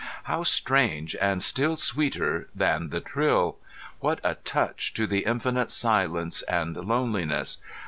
How strange, and still sweeter than the trill! What a touch to the infinite silence and loneliness!